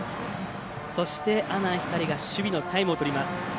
阿南光が守備のタイムをとります。